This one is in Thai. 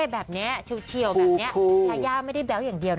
แบบเท่แบบนี้